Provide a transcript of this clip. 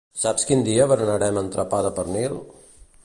Saps quin dia berenem entrepà de pernil?